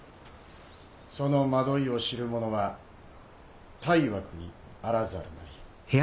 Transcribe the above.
其の惑いを知る者は大惑にあらざるなり」。